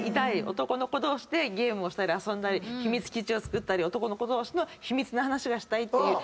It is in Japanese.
男の子同士でゲームをしたり遊んだり秘密基地をつくったり男の子同士の秘密の話がしたいっていう。